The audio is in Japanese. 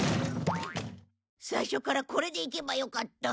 最初からこれで行けばよかった。